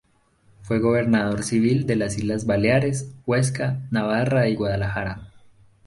Fue gobernador civil de las Islas Baleares, Huesca, Navarra y Guadalajara.